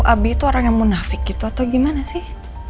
abi itu orang yang munafik gitu atau gimana sih